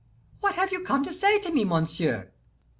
"What have you come to say to me, monsieur?"